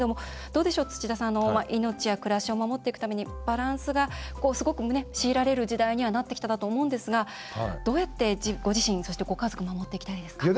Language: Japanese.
どうでしょう、土田さん命や暮らしを守っていくためにバランスがすごく強いられる時代にはなってきたかと思うんですが、どうやってご自身、そしてご家族守っていきたいですか？